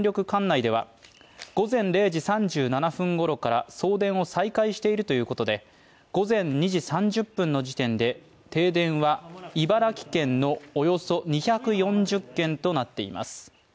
管内では、午前０時３７分ごろから送電を再開しているということで午前２時３０分の時点で停電は茨城県のおよそ２４０軒となっています。